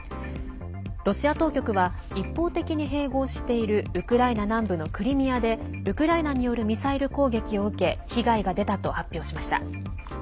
ロシア当局は一方的に併合しているウクライナ南部のクリミアでウクライナによるミサイル攻撃を受け被害が出たと発表しました。